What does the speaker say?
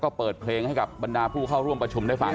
เราก็เปิดเพลงให้บรรดาผู้เข้าร่วมประชุมด้วยฝัง